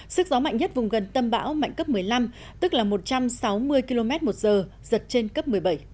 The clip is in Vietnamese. sức gió mạnh nhất vùng gần tâm bão mạnh cấp một mươi năm tức là một trăm sáu mươi km một giờ giật trên cấp một mươi bảy